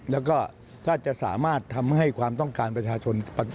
แล้วก็ถ้าจะสามารถทำให้ความต้องการประชาชน